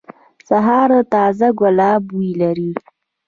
سهار د تازه ګلاب بوی لري.